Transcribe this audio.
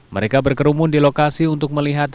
mereka berkerumun di lokasi untuk melihat